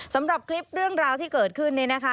สำหรับคลิปเรื่องราวที่เกิดขึ้นเนี่ยนะคะ